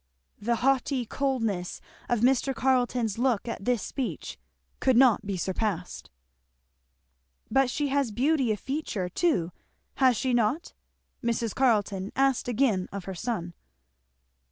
The haughty coldness of Mr. Carleton's look at this speech could not be surpassed. "But she has beauty of feature too, has she not?" Mrs. Carleton asked again of her son.